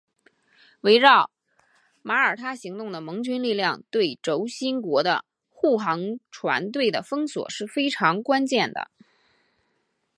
围绕马耳他行动的盟军力量对轴心国的护航船队的封锁是非常关键的。